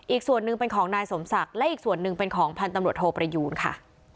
อีกส่วนหนึ่งเป็นของนายสมศักดิ์และอีกส่วนหนึ่งเป็นของพันธุ์ตำรวจโทประยูนค่ะ